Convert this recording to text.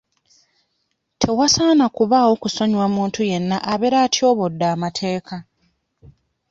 Tewasaana kubaawo kusonyiwa muntu yenna abeera atyobodde amateeka.